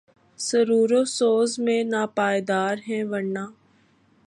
سرور و سوز میں ناپائیدار ہے ورنہ